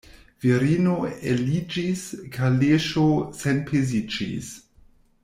Virino eliĝis, kaleŝo senpeziĝis.